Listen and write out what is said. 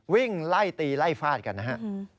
วิ่งไล่ตีไล่ฟาดกันนะฮะ